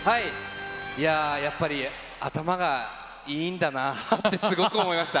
いやー、やっぱり頭がいいんだなぁってすごく思いました。